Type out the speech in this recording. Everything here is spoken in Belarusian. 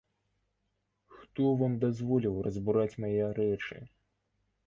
Хто вам дазволіў разбураць мае рэчы?